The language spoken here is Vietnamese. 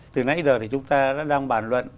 từ nãy giờ thì chúng ta đã đang bàn luận